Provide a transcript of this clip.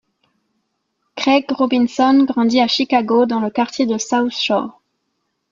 Craig Robinson grandit à Chicago dans le quartier de South Shore.